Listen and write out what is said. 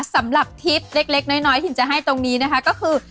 สำหรับทิศเล็กน้อยถิ่นจะให้ตรงนี้นะคะก็คือ